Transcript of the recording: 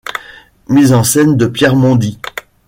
Mise en scène de Pierre Mondy.